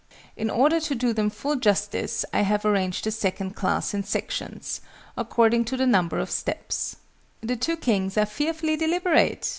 In order to do them full justice I have arranged the 2nd class in sections, according to the number of steps. The two Kings are fearfully deliberate!